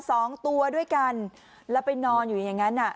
สองตัวด้วยกันแล้วไปนอนอยู่อย่างงั้นอ่ะ